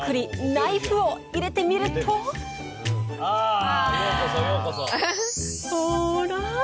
ナイフを入れてみるとほら！